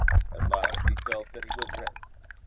At last he felt that he was ready.